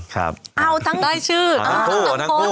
ทั้งผู้สามลูกชาย